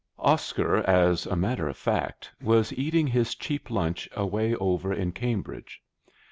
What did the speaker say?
Oscar, as a matter of fact, was eating his cheap lunch away over in Cambridge.